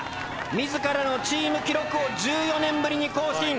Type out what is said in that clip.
自らのチーム記録を１４年ぶりに更新。